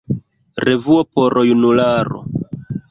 Revuo por junularo.